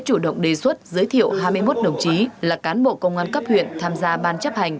chủ động đề xuất giới thiệu hai mươi một đồng chí là cán bộ công an cấp huyện tham gia ban chấp hành